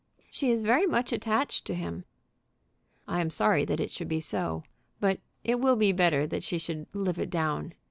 "She is very much attached to him." "I am sorry that it should be so. But it will be better that she should live it down.